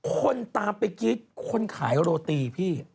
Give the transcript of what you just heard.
คนตามไปกรี๊ดคนขายโรตีพี่